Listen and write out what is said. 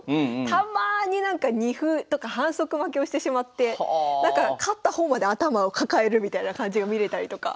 たまになんか二歩とか反則負けをしてしまって勝った方まで頭を抱えるみたいな感じが見れたりとか。